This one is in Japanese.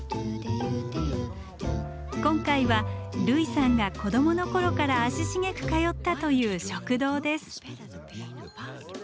今回は類さんが子どもの頃から足しげく通ったという食堂です。